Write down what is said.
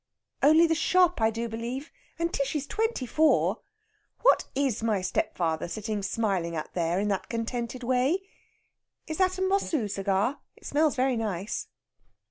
"Only the shop, I do believe. And Tishy's twenty four! What is my stepfather sitting smiling at there in that contented way? Is that a Mossoo cigar? It smells very nice."